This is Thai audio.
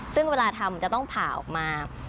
ซึ่งเวลาทำจะต้องผ่าออกมา